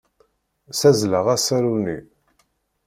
Ssazzleɣ asaru-nni.